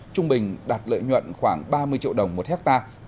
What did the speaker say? trung bình đạt lợi nhuận khoảng ba mươi triệu đồng một hectare